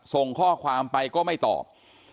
ส่งข้อความไปก็ไม่ตอบ